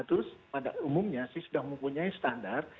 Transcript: terus pada umumnya sih sudah mempunyai standar